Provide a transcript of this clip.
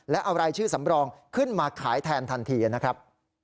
และเอารายชื่อสำรองขึ้นมาขายแทนทันทีนะครับ